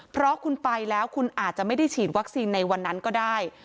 เพราะคุณไปแล้วคุณอาจจะไม่ได้ฉีดวัคซีนในวันนั้นก็ได้